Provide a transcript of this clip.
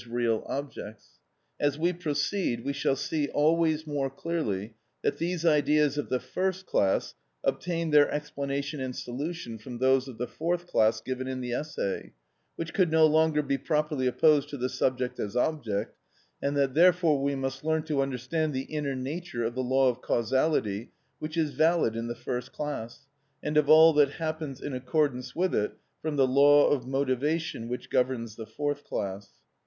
_, real objects. As we proceed we shall see always more clearly that these ideas of the first class obtain their explanation and solution from those of the fourth class given in the essay, which could no longer be properly opposed to the subject as object, and that, therefore, we must learn to understand the inner nature of the law of causality which is valid in the first class, and of all that happens in accordance with it from the law of motivation which governs the fourth class.